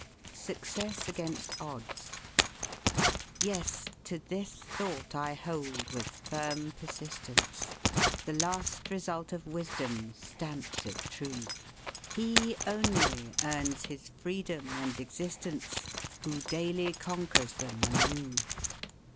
SUCCESS AGAINST ODDS. Yes, to this thought I hold with firm persistence; The last result of wisdom stamps it true: He only earns his freedom and existence Who daily conquers them anew.